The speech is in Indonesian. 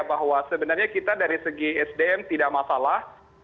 bahwa sebenarnya kita dari segi sdm tidak masalah